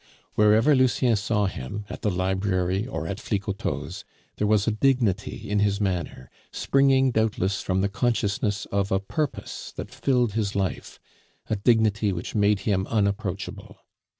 Wherever Lucien saw him, at the library or at Flicoteaux's, there was a dignity in his manner, springing doubtless from the consciousness of a purpose that filled his life, a dignity which made him unapproachable.